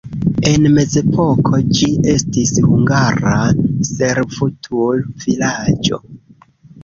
En mezepoko ĝi estis hungara servutul-vilaĝo.